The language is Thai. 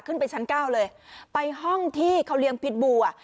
ขึ้นไปชั้นเก้าเลยไปห้องที่เขาเลี้ยงพิษบัว